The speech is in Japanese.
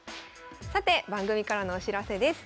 さて番組からのお知らせです。